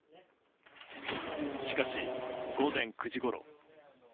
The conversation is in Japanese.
しかし、午前９時ごろ。